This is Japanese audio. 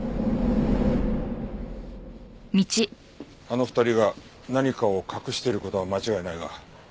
あの２人が何かを隠している事は間違いないが。